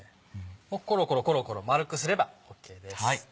もうコロコロコロコロ丸くすればＯＫです。